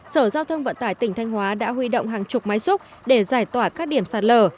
sở giao thông vận tải tỉnh thanh hóa đã huy động hàng chục máy xúc để giải tỏa các điểm sạt lở